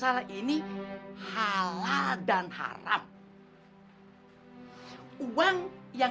kalau kamu ikut akan kurang lebih giliran